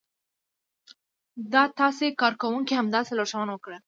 د تاسې کارکونکو همداسې لارښوونه وکړه.